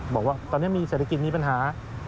บอกว่าตอนนี้มีเศรษฐกิจมีปัญหา